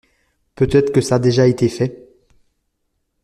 Peut-être que ça a déjà été fait.